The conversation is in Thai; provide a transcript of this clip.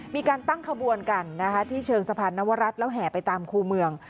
มีการตั้งขบวนกันที่เชิงสะพานนวรัฐแล้วแห่ไปตามคู่เมือง